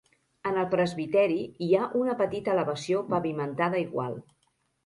En el presbiteri hi ha una petita elevació pavimentada igual.